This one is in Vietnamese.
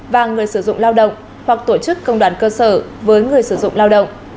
và người sử dụng lao động hoặc tổ chức công đoàn cơ sở với người sử dụng lao động